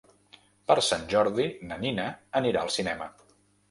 Per Sant Jordi na Nina anirà al cinema.